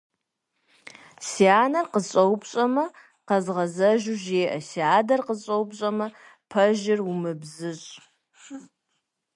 Си анэр къысщӏэупщӏэмэ, къэзгъэзэжу жеӏэ, си адэр къысщӏэупщӏэмэ, пэжыр умыбзыщӏ.